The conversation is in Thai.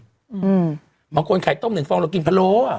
อืมบางคนไข่ต้มหนึ่งฟองเรากินพะโล้อ่ะ